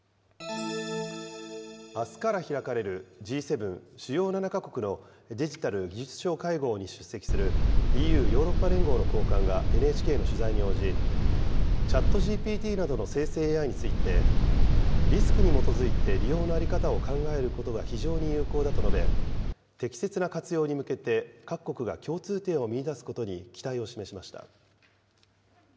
あすから開かれる、Ｇ７・主要７か国のデジタル・技術相会合に出席するＥＵ・ヨーロッパ連合の高官がＮＨＫの取材に応じ、ＣｈａｔＧＰＴなどの生成ＡＩについて、リスクに基づいて利用の在り方を考えることが非常に有効だと述べ、適切な活用に向けて、各国が共通点を見いだすことに期待を示しました。